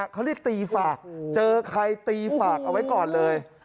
เขาเรียกตีฝากเจอใครตีฝากเอาไว้ก่อนเลย